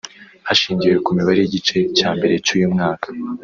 hashingiwe ku mibare y’igice cya mbere cy’uyu mwaka